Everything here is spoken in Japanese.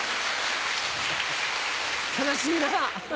悲しいなぁ。